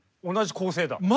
同じ構成だ。